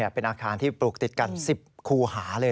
เป็นอาคารที่ปลูกติดกัน๑๐คูหาเลย